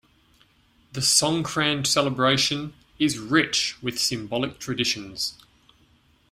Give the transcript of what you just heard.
The Songkran celebration is rich with symbolic traditions.